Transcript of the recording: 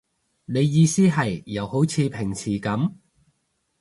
你意思係，又好似平時噉